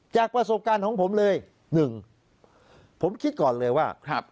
จากประสบการณ์ของผมเลยหนึ่งผมคิดก่อนเลยว่า